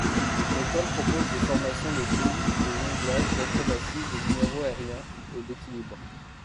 L'école propose des formations de clown, de jonglage, d'acrobatie, de numéros aériens et d'équilibre.